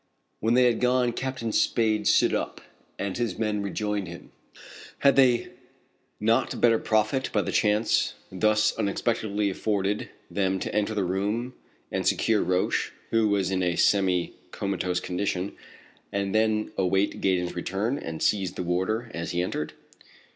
When they had gone Captain Spade stood up, and his men rejoined him. Had they not better profit by the chance thus unexpectedly afforded them to enter the room and secure Roch, who was in a semi comatose condition, and then await Gaydon's return, and seize the warder as he entered?